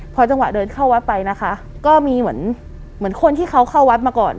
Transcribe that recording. พอจังหวะเดินเข้าวัดไปนะคะก็มีเหมือนเหมือนคนที่เขาเข้าวัดมาก่อน